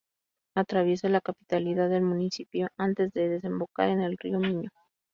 Atraviesa la capitalidad del municipio antes de desembocar en el río Miño.